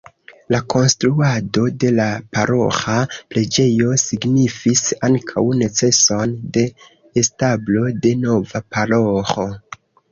La konstruado de la paroĥa preĝejo signifis ankaŭ neceson de establo de nova paroĥo.